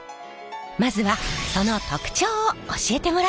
まずはその特徴を教えてもらいましょう。